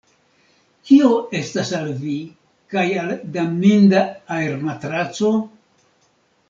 Kio estas al vi kaj la damninda aermatraco?